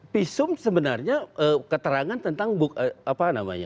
pisum sebenarnya keterangan tentang buk apa namanya